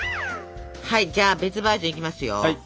はいじゃあ別バージョンいきますよ。